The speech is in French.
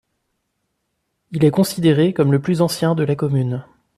Il est considéré comme le plus ancien de la commune.